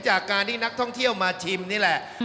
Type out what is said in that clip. จากการที่นักท่องเที่ยวมาชิมนี่แหละ